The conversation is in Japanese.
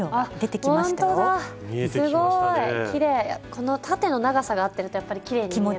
この縦の長さが合ってるとやっぱりきれいに見えますね。